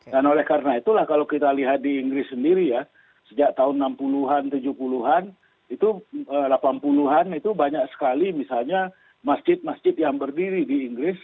dan oleh karena itulah kalau kita lihat di inggris sendiri ya sejak tahun enam puluh an tujuh puluh an delapan puluh an itu banyak sekali misalnya masjid masjid yang berdiri di inggris